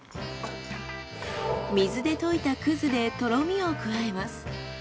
水で溶いたくずでとろみを加えます。